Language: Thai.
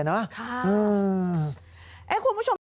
นะคุณผู้ชม